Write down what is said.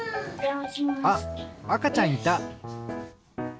あっあかちゃんいた。